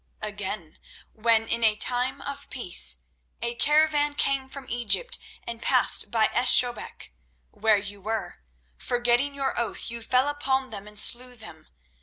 Again, when in a time of peace a caravan came from Egypt and passed by Esh Shobek, where you were, forgetting your oath, you fell upon them and slew them.